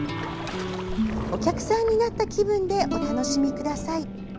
お客さんになった気分でお楽しみください。